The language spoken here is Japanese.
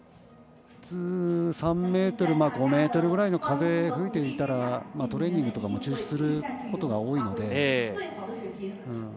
普通、３メートル５メートルぐらいの風が吹いていたらトレーニングとかも中止することが多いので。